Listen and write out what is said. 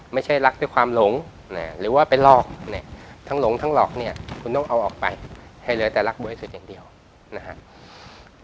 ไม่ใช่รักด้วยความหลงหรือว่าไปหลอกเนี่ยทั้งหลงทั้งหลอกเนี่ยคุณต้องเอาออกไปให้เหลือแต่รักบริสุทธิ์อย่างเดียวนะครับ